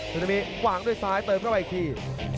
นามิวางด้วยซ้ายเติมเข้าไปอีกที